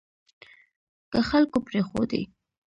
که خلکو پرېښودې